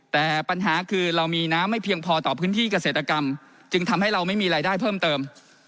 แต่ปัญหาคือเรามีน้ำไม่เพียงพอต่อพื้นที่เกษตรกรรมจึงทำให้เราไม่มีรายได้เพิ่มเติม